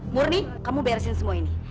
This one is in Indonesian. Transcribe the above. murni kamu beresin semua ini